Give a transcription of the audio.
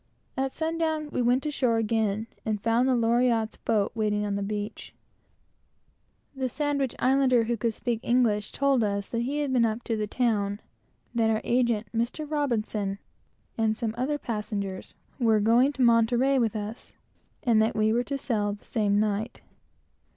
At sun down we went ashore again, and found the Loriotte's boat waiting on the beach. The Sandwich Islander who could speak English, told us that he had been up to the town; that our agent, Mr. R , and some other passengers, were going to Monterey with us, and that we were to sail the same night.